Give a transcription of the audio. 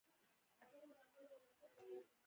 استاد د ژوند سخت درسونه اسانوي.